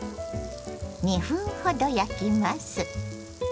２分ほど焼きます。